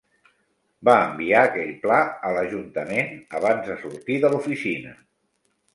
Va enviar aquell pla a l"ajuntament abans de sortir de l"oficina.